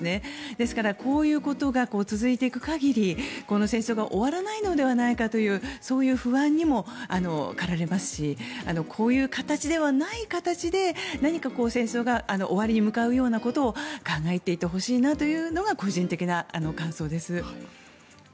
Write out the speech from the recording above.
ですからこういうことが続いていく限りこの戦争が終わらないのではないかというそういう不安にも駆られますしこういう形ではない形で何か戦争が終わりに向かうようなことを考えていってほしいなというのが個人的な感想です。